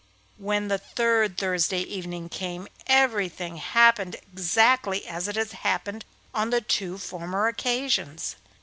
When the third Thursday evening came, everything happened exactly as it had happened on the two former occasions.